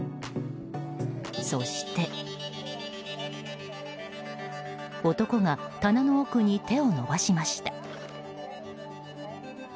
そして、男が棚の奥に手を伸ばしました。